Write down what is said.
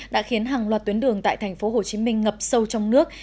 đã khiến hàng loạt tuyến đường tại tp hcm ngập sâu trong nước